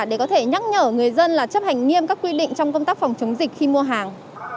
để có thể nhắc nhở người dân là chấp hành nghiêm các quy định trong công tác phòng chống dịch khi mua hàng